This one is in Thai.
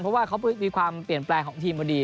เพราะว่าเขามีความเปลี่ยนแปลงของทีมพอดี